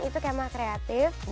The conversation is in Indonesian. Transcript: itu kemah kreatif